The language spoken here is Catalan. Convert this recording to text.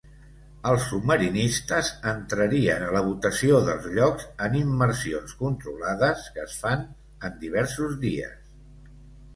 Els submarinistes entrarien a la votació dels llocs en immersions controlades que es fan en diversos dies.